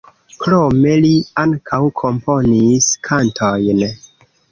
Krome li ankaŭ komponis kantojn.